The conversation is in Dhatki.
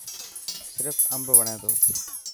سرف امب وڻي ٿو.